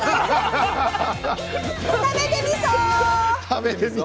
食べてみそ！